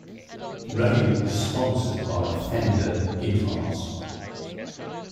Ray is sponsored by Fender Guitars.